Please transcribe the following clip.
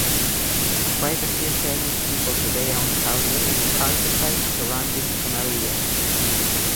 Quite a few famous people today own houses in the countryside surrounding Tomelilla.